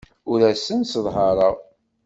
Ur asen-sseḍhareɣ.